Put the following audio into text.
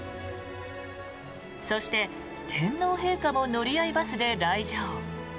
そして、天皇陛下も乗り合いバスで来場。